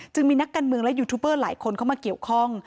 มีนักการเมืองและยูทูบเบอร์หลายคนเข้ามาเกี่ยวข้อง